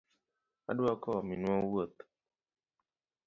Adwa kowo minwa wuoth